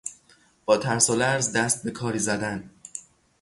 با ترس و لرز دست به کاری زدن